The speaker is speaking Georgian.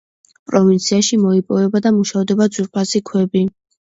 პროვინციაში მოიპოვება და მუშავდება ძვირფასი ქვები.